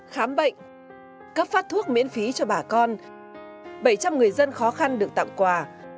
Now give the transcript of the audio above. khám bệnh cấp phát thuốc miễn phí cho bà con bảy trăm linh người dân khó khăn được tặng quà